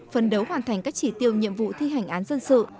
phân đấu hoàn thành các chỉ tiêu nhiệm vụ thi hành án dân sự